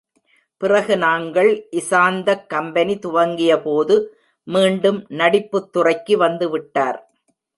பிறகு நாங்கள் இசாந்தக் கம்பெனி துவக்கியபோது மீண்டும் நடிப்புத் துறைக்கு வந்து விட்டார்.